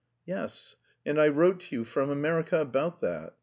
"Yes, and I wrote to you from America about that.